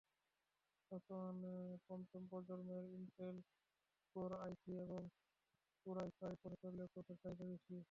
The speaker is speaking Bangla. বর্তমানে পঞ্চম প্রজন্মের ইন্টেল কোর আইথ্রি এবং কোর আইফাইভ প্রসেসরের ল্যাপটপের চাহিদা বেশি।